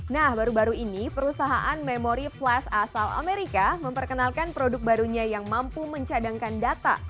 nah baru baru ini perusahaan memori plus asal amerika memperkenalkan produk barunya yang mampu mencadangkan data